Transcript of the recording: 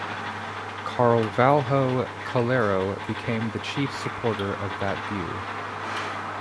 Carvalho Calero became the chief supporter of that view.